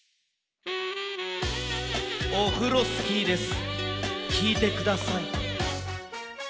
オフロスキーですきいてください。